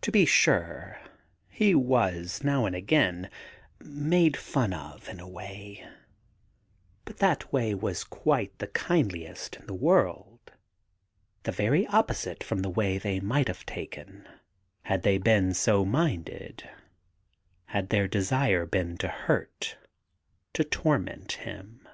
To be sure he was^ now and again, made fun of in a way ; but that way was quite the kindliest in the world, the very opposite from the way they might have taken had they been so minded, had their desire been to hurt, to torment him.